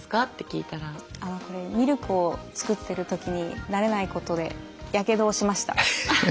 これミルクを作ってる時に慣れないことでやけどをしました。